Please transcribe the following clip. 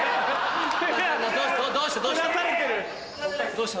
どうした？